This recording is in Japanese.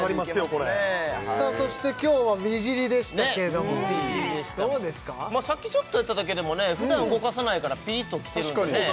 これそして今日は美尻でしたけれどもどうですかさっきちょっとやっただけでも普段動かさないからぴりっときてるよね